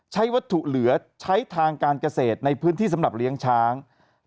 ใช้วัตถุเหลือใช้ทางการเกษตรในพื้นที่สำหรับเลี้ยงช้าง